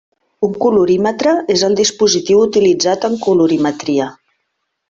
Un colorímetre és el dispositiu utilitzat en colorimetria.